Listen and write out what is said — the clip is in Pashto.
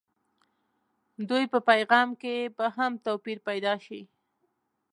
دوی په پیغام کې به هم توپير پيدا شي.